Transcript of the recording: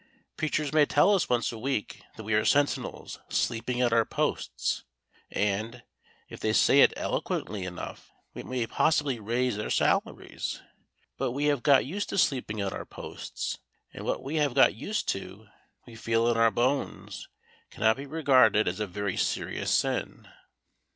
Preachers may tell us once a week that we are sentinels sleeping at our posts, and, if they say it eloquently enough, we may possibly raise their salaries. But we have got used to sleeping at our posts, and what we have got used to, we feel in our bones, cannot be regarded as a very serious sin.